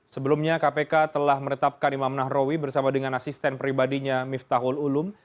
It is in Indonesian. sebelumnya kpk telah menetapkan imam nahrawi bersama dengan asisten pribadinya miftahul ulum